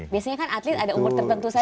biasanya kan atlet ada umur tertentu saja